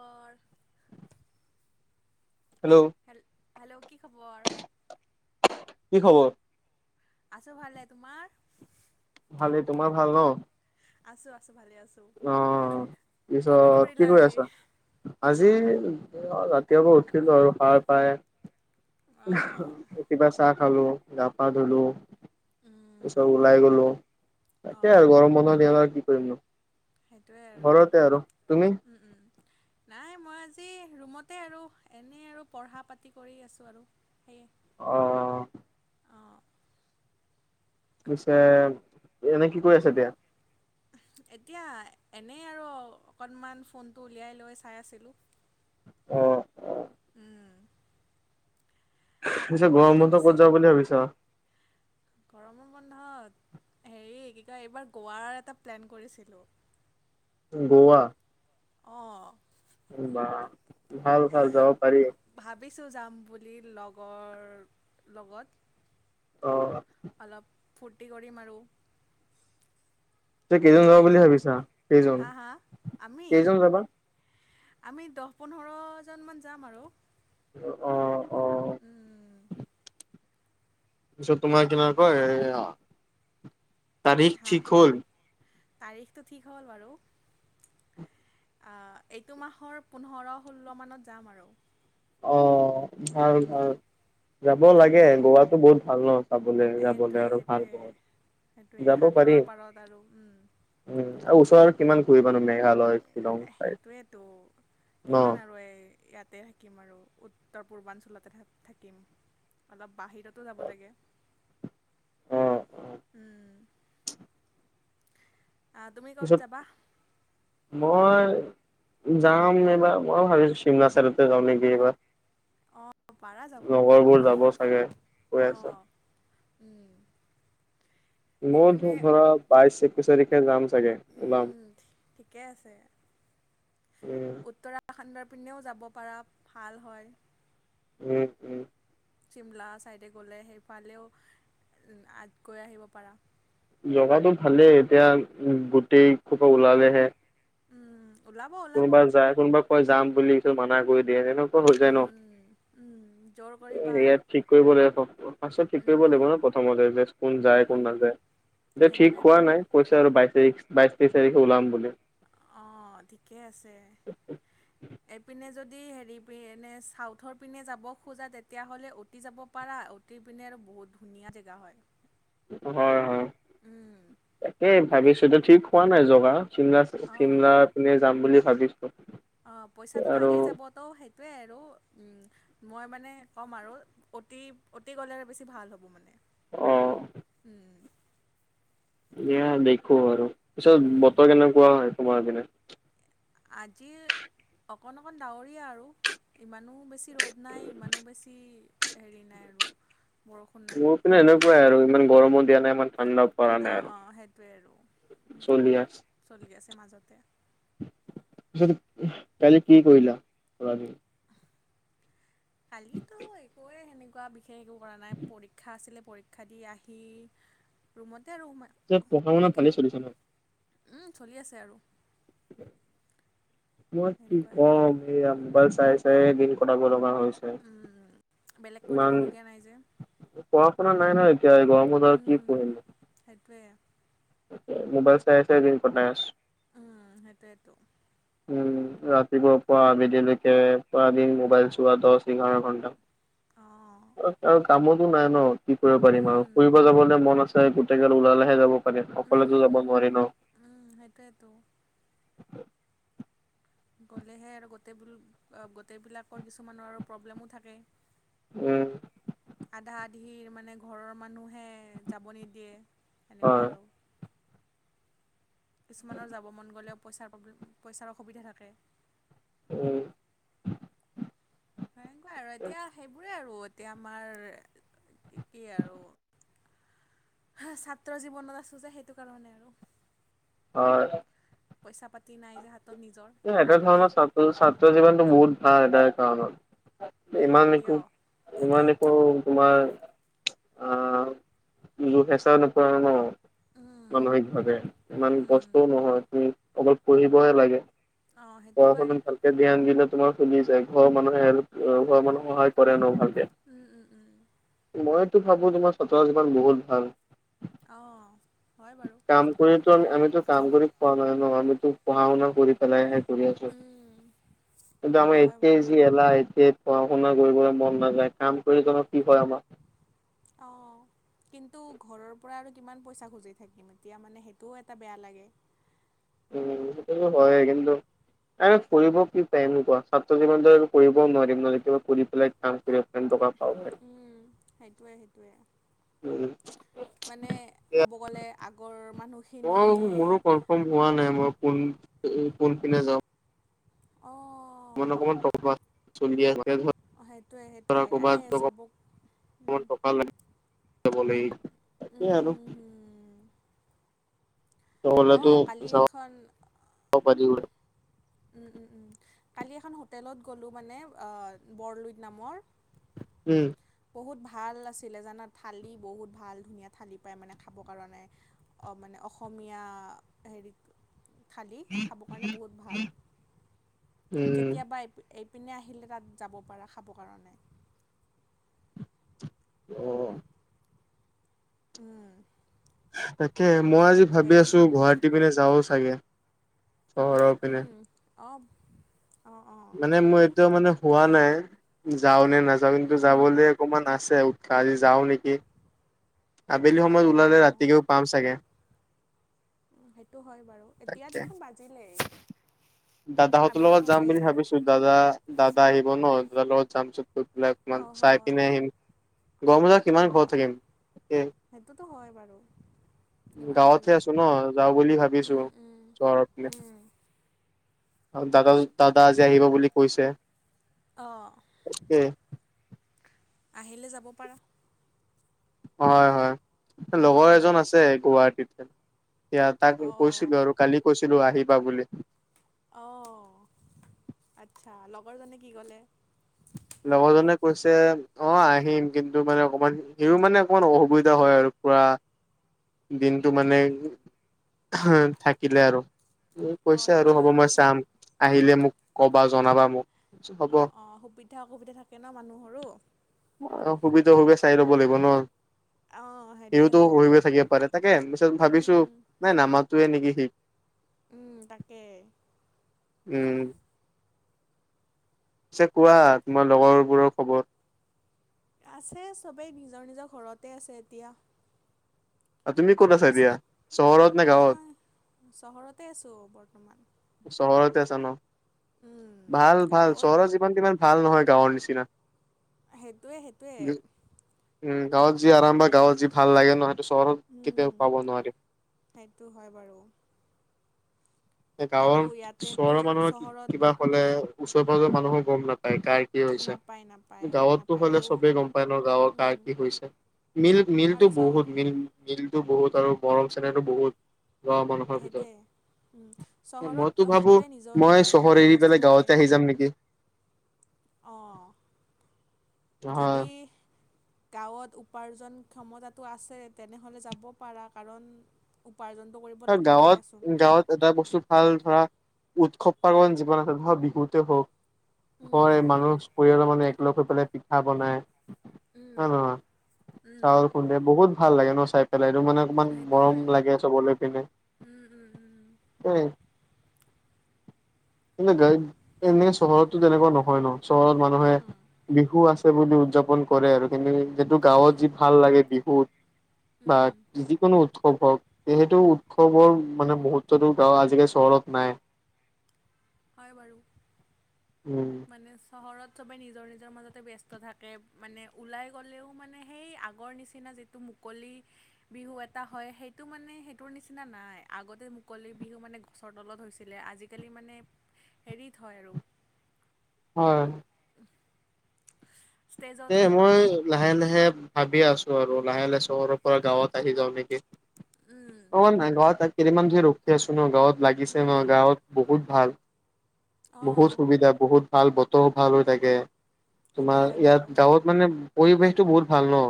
ঘৰ হেল্ল'? হেল হেল্ল' কি খবৰ? কি খবৰ? আছো ভালে, তোমাৰ? ভালে, তোমাৰ ভাল ন? আছো আছো ভালে আছো, অ'। কি কি পিছত কৰিলা কৰি আজি? আছা? আজি ৰাতিপুৱা উঠিলো আৰু সাৰ পাই অ অহ, কেতিয়াবা চাহ খালো, গা পা ধুলো। উম চব ওলাই গ'লো অ তাকে আৰু গৰম বন্ধ আৰু কি কৰিম ন? সেইটোৱে আৰু তুমি? উম উম। নাই মই আজি ৰুমতে আৰু এনেই আৰু পঢ়া পাতি কৰি আছোঁ আৰু সেয়ে। অ। অঁ। পিছে এনে কি কৰি আছে এতিয়া? এতিয়া এনেই আৰু অকণমান ফোনটো উলিয়াই লৈ চাই আছিলোঁ। অ', অ', উম। পিছে গৰম বাকী বন্ধ ক'ত পিছে, যাওঁ বুলি ভাবিছা? গৰমৰ বন্ধত হেৰি কি কয় এইবাৰ গোৱাৰ এটা প্লেন কৰিছিলোঁ। গৱা? অঁ। বা! ভাল ভাল যাব পাৰি। ভাবিছোঁ যাম বুলি লগৰ লগত। অ'। অলপ ফূৰ্তি কৰিম আৰু পিছে কেইজন যাব সেনেকে। বুলি ভাবিছা? কেইজন, হা, হা, আমি? কেইজন যাবা? আমি দহ-পোন্ধৰজনমান যাম আৰু। অ', অ'। উম। পিছত তোমাৰ কেনে কয়, এ তাৰিখ হা ঠিক হ'ল? তাৰিখটো ঠিক হ'ল বাৰু। আ এইটো মাহৰ পোন্ধৰ-ষোল্ল মানত যাম আৰু। অ', ভাল-ভাল। যাব লাগে। তাকে গ'ৱাতটো বহুত ভাল ন, চাবলৈ, সেইটোৱে যাবলৈ আৰু ভাল সেইটোৱে বহুত। সেইটোৱে যাব পাৰি সাগৰৰ পাৰত আৰু। উম। উম, আৰু ওচৰত কিমান ঘূৰিবা তুমি [unintelligible] [unintelligible] সেইটোৱেতো ন। কিমান আৰু এই ইয়াতে থাকিম আৰু উত্তৰ-পূৰ্বাঞ্চলতে থা-থাকিম। অলপ বাহিৰতো যাব লাগে। অ অ উম। আ তুমি ক'ত পিছত যাবা? মই যাম এইবাৰ, মই ভাবিছো শিমলা চাইডতে যাওঁ নেকি এইবাৰ। অ পাৰা যাব লগৰবোৰ যাব চাগে, কৈ অ আছে। উম। মোৰতো সেইপিনে ঘৰত বাইশ-একৈশ তাৰিখে যাম চাগে উম, ওলাম উম, ঠিকে আছে। উম উত্তৰাখণ্ডৰ পিনেও যাব পাৰা, ভাল হয়। উম। উম চিমলা ছাইডে গ'লে সেইফালেও আ গৈ আহিব পাৰা। জেগাতটো ভালেই এতিয়া গোটেইখোপা ওলালেহে। উম। ওলাব কোনো ওলাব বা যায়। কোনোবা কৈ যাম বুলি পিছত মানা কৰি দিয়ে তেনেকুৱা হৈ যায় ন। উম উম, জৰ এ ইয়াত ঠিক কৰিব লাগিব পাছত ঠিক কৰিব উম লাগিব ন, প্ৰথমতে যে কোন যায় কোন নাযায় হেতুৱে পোৱা নাই পইচা আৰু বাইশ তাৰিখ বাইশ ত্ৰিছ তাৰিখে ওলাম বুলি। অ', ঠিকে আছে। এইপিনে যদি হেৰি [unintelligible] এনে চাউথৰ পিনে যাব খোজা তেতিয়াহ'লে অ'তি যাব পাৰা। অ'তি পিনে আৰু বহুত ধুনীয়া জেগা হয়। হয়, হয়। উম তাকেই প- ভাবিছোতিটো ঠিক হোৱা নাই জগা, চিমলা অঁ চিমলা পিনে যাম বুলি ভাবিছো। অ', পইচাটোতো আৰু একেই যাব, ত সেইটোৱেই আৰু। উম। মই মানে কম আৰু অ'তি-অ'তি গ'লে আৰু বেছি ভাল হ'ব মানে। অ উম। দিয়া দেখো আৰু। পিছত উম, বতৰ কেনেকুৱা হয় তোমাৰ পিনে? আজি অকণ অকণ ডাৱৰীয়া আৰু ইমানো বেছি ৰ'দ নাই, ইমানো বেছি হেৰি নাই আৰু। বৰষুণ নাই মোৰ পিনে বৰষুণ এনেকুৱাই আৰু ইমান গৰমো দিয়া নাই ইমান ঠাণ্ডাও অঁ, অঁ সেইটোৱে আৰু ওঁ চলি আছে। চলি আছে মাজতে। কালি কি কৰিলা? যোৱা ৰাতি। কলিটো একুৱে সেনেকুৱা বি শেষ একো কৰা নাই। পৰীক্ষা আছিলে পৰীক্ষা দি আহি ৰুমতে আৰু সো পিছে পঢ়া-শুনা ভালেই চলিছে ন'? উম, চলি আছে আৰু। [inaudible] মই কি সেনেকুৱাই কম এইয়া মোবাইল চাই চাই দিন কটাব লগা হৈছে। উম, উম। বেলেগ ইমান কৰিবলগীয়া নাই যে, পঢ়া শুনা নাই ন এতিয়া এই গৰমত আৰু কি উম। পঢ়িম। সেইটোৱে। মোবাইল চাই চাই দিন কটাই আছোঁ। উম, সেইটোৱেটো। [inaudible] ৰাতিপুৱা পৰা আবলিলৈকে পুৰা দিন মোবাইল চোৱা দশ, এঘাৰ ঘন্টা। অঁ, অঁ। আৰু কামোৰটো নাই ন' কি কৰিব পাৰিম আৰু? উম, ফুৰিব যাবলৈ মন আছে গোটেইগাল ওলালেহে যাব পাৰিম। উম, উম, আকলেটো যাব উম, নোৱাৰে ন'? উম, সেইটোৱেটো। গ'লেহে আৰু গোটেইবোল আ গোটেইবিলাকৰ কিছুমানৰ আৰু প্ৰব্লেমো থাকে। উম। আধা-আধি মানে, ঘৰৰ মানুহে যাব নিদিয়ে সেনেকুৱা হয় আৰু। কিছুমানৰ যাব মন গ'লেও পইচাৰ প্ৰব্লেম, পইচাৰ অসুবিধা থাকে। উম। সেনেকুৱা আৰু এতিয়া সেইবোৰে আৰু। এতিয়া আমাৰ কি কি আৰু হাঁহ্, ছাত্ৰৰ জীৱনত আছো যে সেইটো কাৰণে আৰু। হয়। পইচা-পাতি নাই যে হাতত নিজৰ। এ এনে ধৰণৰ বুলিবলৈ ছাত্ৰ, ছাত্ৰ জীৱনটো বহুত ভাল এটাৰ কাৰণত। ইমান কিয় একো ইমান একো তোমাৰ আঁ যো হেঁচা নোপোৱা ন'? উম, মানসিক ভাৱে ইমান উম, কষ্টও নহয় তুমি অকল পঢ়িবহে লাগে। অঁ সেইটো হয় পঢ়া-শুনাত ভালকে ধ্যান দিলে তোমাৰ খুলি যায়। ঘৰৰ মানুহে হেল্প আঁ ঘৰৰ মানুহে সহায় কৰে ন' ভালকে। উম, উম উম। মইতো ভাৱো তোমাৰ ছাত্ৰ জীৱন বহুত ভাল। অঁ, হয় বাৰু। কাম কৰিতো আমি আমিতো কাম কৰি পঢ়া নাই ন'। আমিতো পঢ়া শুনা কৰি পেলাইহে কৰি আছোঁ। উম, কিন্তু সেইটো আমি হয় এ বাৰু জি এল ওলায় এতিয়া পঢ়া-শুনা কৰিবলৈ মন নাযায়। কাম কৰি তোমাক কি কৰাব। অঁ। কিন্তু ঘৰৰ পৰা আৰু কিমান পইচা খুজি থাকিম। এতিয়া মানে, সেইটোও এটা বেয়া লাগে। উম, সেইটোতো হয় কিন্তু আৰু পঢ়িব কি টাইম নোপোৱা ছাত্ৰ জীৱনটো একো কৰিবও নোৱাৰিম নহয় কিবা কৰি পেলাই কাম কৰি টেন টকা পাওঁহে। উম সেইটোৱে সেইটোৱে। এতিয়া মানে ক'ব গ'লে আগৰ মানুহ মই মোৰো কনফাৰ্ম হোৱা নাই মই কোন পিনে যাওঁ অঁ অকমান অকণমান [unintelligible] জলদি আহিবা। অঁ, সেইটোৱে [unintelligible] ধৰা সেইটোৱে আৰে ক'বাত [unintelligible] চাব উম, টকা [unintelligible] ল [unintelligible] তাকে উম, আৰু। হুম, হুম। নহ'লেটো অঁ কালি যাব এখন পাৰিবই। উম উম উম কালি এখন হোটেলত গ'লো মানে বৰলুইত নামৰ। উম বহুত ভাল আছিলে জানা থালি বহুত ভাল ধুনীয়া থালি পায় মানে খাবৰ কাৰণে। মানে অসমীয়া হেৰি। থালি খাবৰ কাৰণে বহুত ভাল উম কেতিয়াবা এই প এপিনে আহিলে তাত যাব পাৰা খাবৰ কাৰণে। উম উম তাকে মই আজি ভাবি হেৰি আছো পিনে গুৱাহাটী পিনে যাওঁ চাগে? চহৰৰ পিনে উম অ মানে মোৰ এতিয়া মানে হোৱা নাই যাওঁ নে নাযাও। কিন্তু যাবলে অকমান আছে উৎসাহ আজি যাও নেকি? কি আবেলি অঁ সময়ত ওলালে অঁ ৰাতিকে পাম চাগে। সেইটো হয় বাৰু এতিয়া তাকে দেখোন বাজিলেই। দাদাহঁতৰ আবেলি লগত যাম হ'লেই বুলি ভাবিছো দাদা দাদা আহিব ন দাদাৰ লগত তাৰ পিছত গৈ পেলাই অকণমান অঁ চাই হয় পিনে আহিম। গৰম বন্ধত কিমান অঁ ঘৰত থাকিম। এ সেইটোতো হয় বাৰু কিমান গাঁৱতহে থাকিবা আছো ন যাওঁ বুলি ভাবিছোঁ। চহৰৰ পিনে আৰু দাদা দাদা আজি আহিব বুলি কৈছে। অঁ অকে আহিলে যাব পাৰা। হয় হয় লগৰ এজন আছে গুৱাহাটীতে এয়া তাক অঁ কৈছিলো আৰু। কালি কৈছিলো আহিবা বুলি। অঁ আচ্ছা লগৰজনে কি ক'লে? লগৰ জনে কৈছে অ আহিম। কিন্তু মানে অকমান সেইও মানে অকমান অসুবিধা হয় আৰু পুৰা দিনটো মানে থাকিলে আৰু। অঁ কৈছে সেইটো আৰু হ'ব হয় মই বাৰু চাম আহিলে মোক কবা জনাবা মোক। হ'ব অঁ অঁ সুবিধা অসুবিধা থাকে ন মানুহৰো। অ অসুবিধা সুবিধা চাই ল'ব লাগিব ন। অঁ সিওতো সেইটোৱেতো হৈ থাকিব পাৰে তাকে পিছত উম ভাবিছোঁ উম নাই নামাতোয়ে নেকি সি উম তাকে। উম পিছে কোৱা তোমাৰ লগৰবোৰৰ খবৰ আছে সবেই নিজৰ নিজৰ ঘৰতে আছে এতিয়া। তুমি ক'ত আছা কিছু এতিয়া চহৰত নে গাঁৱত? মই চহৰতে আছোঁ বৰ্তমান। চহৰতে আছা ন উম, ভাল ভাল গাঁৱত চহৰত যিমান কিমান ভাল নহয় গাঁৱৰ নিচিনা। সেইটোৱে সেইটোৱে। উমঁ গাঁৱত যি আৰাম বা গাঁৱত যি ভাল লাগে ন হেইয়টো চহৰত উম, কেতিয়াও পাব নোৱাৰি। সেইটো হয় বাৰু। গাঁৱৰ আৰু ইয়াতেতো চহৰৰ মানুহৰ চহৰত কিবা হ'লে ওচৰে পাজৰেৰ মানুহো গম নাপায় তাই কি হৈছে নাপায় নাপায় গাঁৱতটো নাপায় হ'লে আৰু চবে গম পায় ন গাঁৱৰ উম, কাৰ কি হৈছে। মিল আৰু মিলটো চহ বহুত মিল মিলটো বহুত আৰু গৰম চেনেহটো বহুত। গাঁৱৰ মানুহৰ ভিতৰত হেইতোয়ে মইতো চহৰত ভাবো সকলোৱে নিজৰ মই নিজৰ চহৰ কামতে এৰি পেলাই ব্যস্ত থাকে। গাঁৱতে আহি যাম নেকি। অঁ। হয় যদি- গাঁৱত উপাৰ্জন ক্ষমতাটো আছে তেনেহ'লে যাব পাৰা কাৰণ উপাৰ্জনতো কৰিব লাগিবই গাঁৱত দিয়াচোন। গাঁৱত এটা বস্তু ভাল ধৰা উৎসৱ পাৰ্বণ জীৱন আছে ধক বিহুতে হওঁক। উম, হয়ঁ মানুহ পৰিয়ালৰ মানুহে একলগ হৈ পেলাই পিঠা বনাই। উম, হয় নে নহয় উম, চাউল খুন্দে বহুত ভাল লাগে ন চাই পেলাইটো মানে। অকমান মৰম লাগে চাবলৈ। উমঁ উমঁ উমঁ। এহ এ গাড়ীত এনে চহৰতটো তেনেকুৱা নহয় ন। চহৰত উম, মানুহে উম, বিহু আছে বুলি উদযাপন- কৰে আৰু কিন্তু যিহেতু গাঁৱত যি অ', ভাল লাগে বিহুত বা উম, যিকোনো উৎসৱ হওঁক এইটো উৎসৱৰ মানে মুহূৰ্ততো গাওঁৰ আজিকালি চহৰত নাই। হয়ঁ বাৰু। উমঁ। মানে চহৰত চবেই নিজৰ নিজৰ মাজতে ব্যস্ত থাকে মানে ওলাই গ'লেও মানে সেই আগৰ নিচি নিচিনা যিটো মুকলি বিহু এটা হয় সেইটো মানে সেইটোৰ নিচিনা নাই আগতে মুকলি বিহু মানে গচৰ তলত হৈছিলে। আজিকালি মানে হেৰিত হয় আৰু। হয়। ষ্টেজত এ হয়। মই লাহে লাহে ভাবি আছো আৰু লাহে লাহে চহৰৰ পৰা গাঁৱত আহি যাওঁ নেকি? উম, অ নাই গাঁৱত এক কেইদিনমান ধই ৰখি আছো ন গাঁৱত। লাগিছে উম, মই গাঁৱত বহুত ভাল, বহুত অ', সুবিধা বহুত ভাল বতৰো ভাল হৈ থাকে, সেইটো তোমাৰ হয় বাৰু। ইয়াত গাঁৱত মানে পৰিৱেশটো বহুত ভাল ন?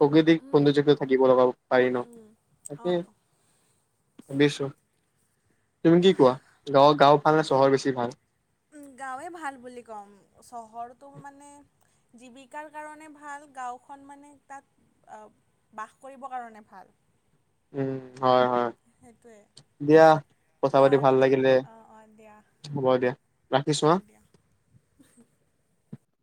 প্ৰকৃতিক উম, সৌন্দৰ্যোগ্যতা থাকিব লগাব পাৰি উম, ন, উম, সে অ'। দিছো, তুমি কি কোৱা, গাঁৱৰ গাও ভাল নে চহৰ বেছি ভাল? উম গাঁৱে ভাল বুলি ক'ম চহৰটো মানে- জীৱিকাৰ কাৰণে ভাল, গাঁওখন মানে তাত- আ, বাস কৰিবৰ কাৰণে ভাল। উম, হয় হয়। সেইটোৱে দিয়া, কথা এয়া পাতি ভাল নহ'লে লাগিলে, অঁ অঁ দিয়া হ'ব দিয়া। ৰাখিছো হা। হ'ব দিয়া